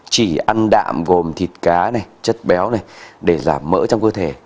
chỉ ăn đạm gồm thịt cá này chất béo này để giảm mỡ trong cơ thể